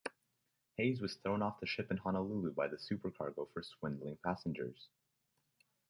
Hayes was thrown off the ship in Honolulu by the supercargo for swindling passengers.